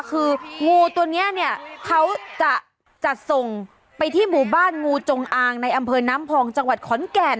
คืองูตัวนี้เนี่ยเขาจะจัดส่งไปที่หมู่บ้านงูจงอางในอำเภอน้ำพองจังหวัดขอนแก่น